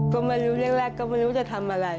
ก็ไม่รู้เลือกแรกว่าจะทำอะไร